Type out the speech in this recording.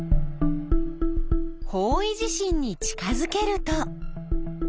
方位磁針に近づけると。